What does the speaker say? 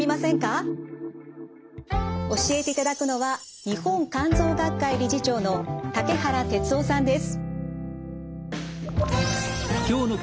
教えていただくのは日本肝臓学会理事長の竹原徹郎さんです。